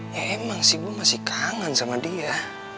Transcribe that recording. ya emang sih gue masih kangen sama dia